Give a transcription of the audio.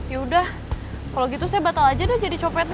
ya udah kalau gitu saya batal aja deh jadi copetnya